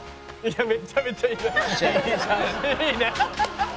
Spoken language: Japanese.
めちゃめちゃいいいいね！」